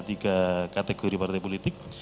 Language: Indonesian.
tiga kategori partai politik